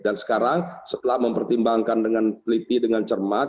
dan sekarang setelah mempertimbangkan dengan teliti dengan cermat